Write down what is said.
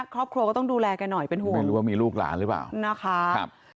ครอบครัวก็ต้องดูแลแกหน่อยเป็นห่วงไม่รู้ว่ามีลูกหลานหรือเปล่านะคะครับ